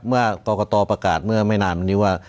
เมื่อกรกตประกาศเมื่อไม่นานวันนี้ว่า